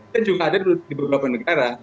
dan juga ada di beberapa negara